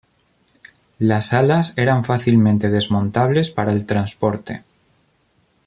Las alas eran fácilmente desmontables para el transporte.